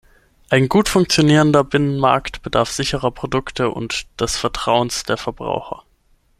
Ein gut funktionierender Binnenmarkt bedarf sicherer Produkte und des Vertrauens der Verbraucher.